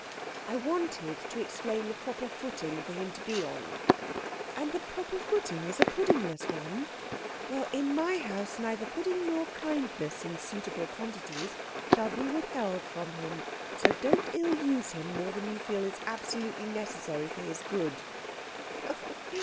"I wanted to explain the proper footing for him to be on." "And the proper footing is a puddingless one? Well, in my house neither pudding nor kindness in suitable quantities shall be withheld from him, so don't ill use him more than you feel is absolutely necessary for his good."